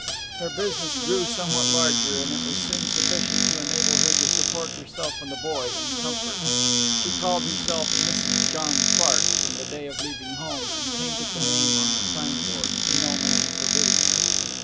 Her business grew somewhat larger, and it was soon sufficient to enable her to support herself and the boy in comfort. She called herself 'Mrs. John Clark' from the day of leaving home, and painted the name on her signboard no man forbidding her.